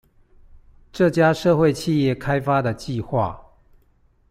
這家社會企業開發的計畫